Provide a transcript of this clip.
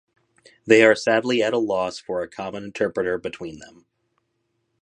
They are sadly at a loss for a common interpreter between them.